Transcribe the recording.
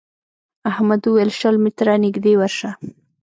احمد وويل: شل متره نږدې ورشه.